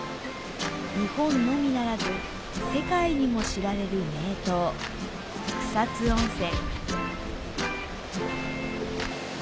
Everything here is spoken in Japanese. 日本のみならず世界にも知られる名湯、草津温泉。